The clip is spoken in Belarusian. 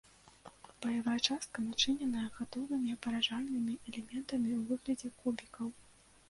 Баявая частка начыненая гатовымі паражальнымі элементамі ў выглядзе кубікаў.